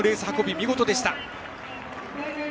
見事でした。